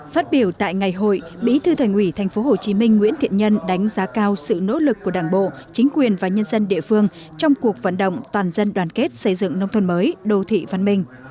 phát biểu tại ngày hội bí thư thành ủy tp hcm nguyễn thiện nhân đánh giá cao sự nỗ lực của đảng bộ chính quyền và nhân dân địa phương trong cuộc vận động toàn dân đoàn kết xây dựng nông thôn mới đô thị văn minh